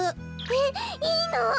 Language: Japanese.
えっいいの？